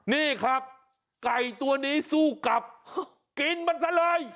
นี่ครับไก่ตัวนี้สู้กับกินมันซะเลย